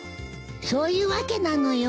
そういう訳なのよ。